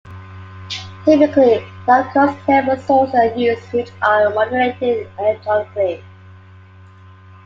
Typically, low cost thermal sources are used which are modulated electronically.